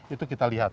itu kita lihat